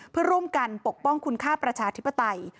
เพื่อร่วมกันปกป้องคุณค่าประชาธิปไตย